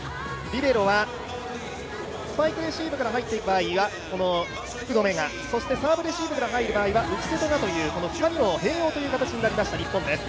リベロはスパイクレシーブから入っていく場合は福留がそしてサーブレシーブから入る場合は内瀬戸という、この２人を併用する形になりました日本です。